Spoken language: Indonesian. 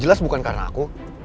jelas bukan karena aku